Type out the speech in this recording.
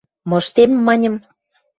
– Мыштем, – маньым.